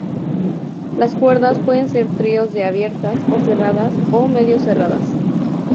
Las cuerdas pueden ser tríos de abiertas o cerradas o medio cerradas.